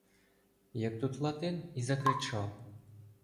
Як тут Латин і закричав: